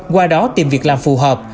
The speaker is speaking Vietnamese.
qua đó tìm việc làm phù hợp